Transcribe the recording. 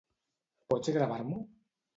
Pots gravar-m'ho?